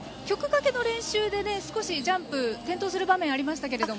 曲かけ練習で少しジャンプ転倒する場面がありましたが。